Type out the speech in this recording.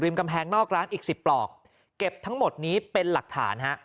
กำแพงนอกร้านอีกสิบปลอกเก็บทั้งหมดนี้เป็นหลักฐานฮะ